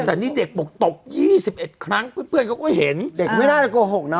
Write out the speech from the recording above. แต่นี่เด็กบอกตบ๒๑ครั้งเพื่อนเขาก็เห็นเด็กไม่น่าจะโกหกเน